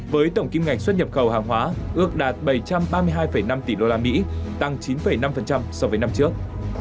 với tổng kim ngạch xuất nhập khẩu hàng hóa ước đạt bảy trăm ba mươi hai năm tỷ usd tăng chín năm so với năm trước